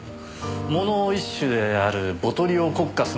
藻の一種であるボトリオコッカスなら１００トン。